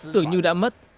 tưởng như đã mất